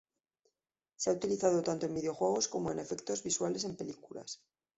Se ha utilizado tanto en videojuegos como en efectos visuales en películas.